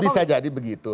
bisa jadi begitu